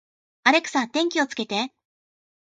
アレクサ、電気をつけて